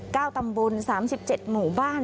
ตำบลสามสิบเจ็ดหมู่บ้าน